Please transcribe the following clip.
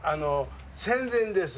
戦前です。